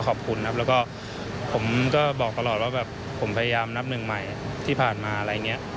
ขอบคุณครับแล้วก็ผมก็บอกตลอดว่าแบบผมพยายามนับหนึ่งใหม่ที่ผ่านมาอะไรอย่างนี้